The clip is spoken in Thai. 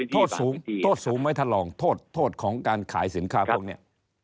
โทษสูงไว้ทะลองโทษของการขายสินค้าพวกนี้